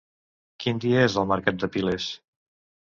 Quin dia és el mercat de Piles?